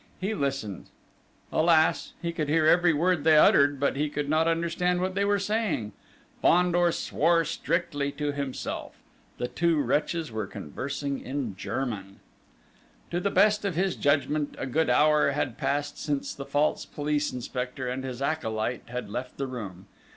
He listened. Alas! He could hear every word they uttered, but he could not understand what they were saying! Fandor swore strictly to himself. The two wretches were conversing in German. To the best of his judgment, a good hour had passed since the false police inspector and his acolyte had left the room.